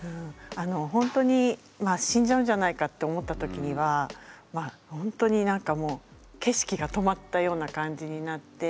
ほんとに死んじゃうんじゃないかって思った時にはまあほんとに何かもう景色が止まったような感じになって。